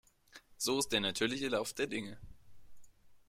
So ist der natürliche Lauf der Dinge.